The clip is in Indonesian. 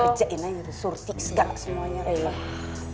kita kerjain aja tuh surti segak semuanya tuh